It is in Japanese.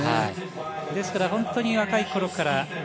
ですから、本当に若いころから。